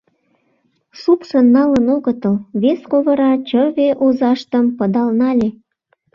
Шупшын налын огытыл! — вес ковыра чыве озаштым пыдал нале.